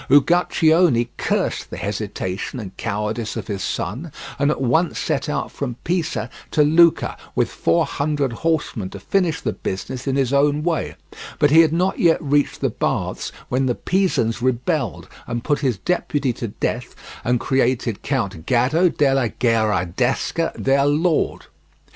Ugucionne cursed the hesitation and cowardice of his son, and at once set out from Pisa to Lucca with four hundred horsemen to finish the business in his own way; but he had not yet reached the baths when the Pisans rebelled and put his deputy to death and created Count Gaddo della Gherardesca their lord.